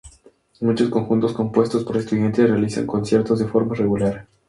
Muchos conjuntos compuestos por estudiantes realizan conciertos de forma regular.